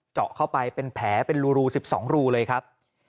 เจาะเข้าไปเป็นแผลเป็นรู๑๒รูเลยครับ